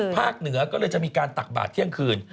เหนือก็เลยจะมีการตักบาทเที่ยงคืน